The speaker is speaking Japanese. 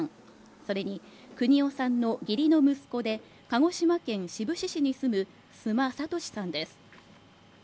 それに邦雄さんの義理の息子で鹿児島県志布志市に住むす須磨俊さんです